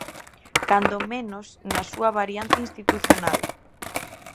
Cando menos na súa variante institucional.